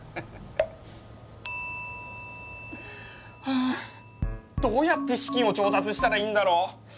はあどうやって資金を調達したらいいんだろう。